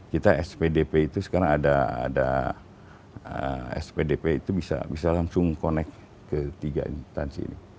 kita spdp itu sekarang ada spdp itu bisa langsung connect ke tiga instansi ini